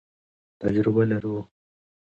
تجربه لرو.